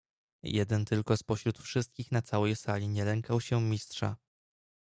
"Jeden tylko z pośród wszystkich na całej sali nie lękał się Mistrza."